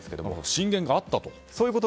進言があったと？